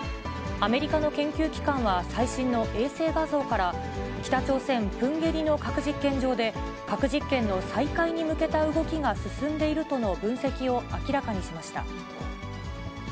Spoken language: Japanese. アメリカの研究機関は最新の衛星画像から、北朝鮮・プンゲリの核実験場で、核実験の再開に向けた動きが進んでいるとの分析を明らかにしました。